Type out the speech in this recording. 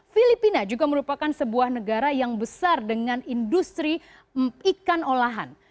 filipina juga merupakan sebuah negara yang besar dengan industri ikan olahan